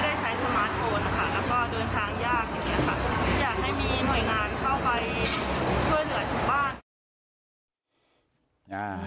แล้วก็เดินทางยากอย่างนี้ค่ะอยากให้มีหน่วยงานเข้าไปช่วยเหลือถึงบ้าน